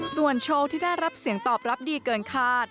ส่วนโชว์ที่ได้รับเสียงตอบรับดีเกินคาด